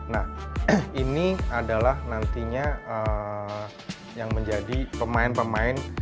nah ini adalah nantinya yang menjadi pemain pemain